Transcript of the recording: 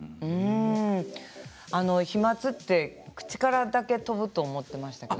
飛まつって口からだけ飛ぶと思っていました。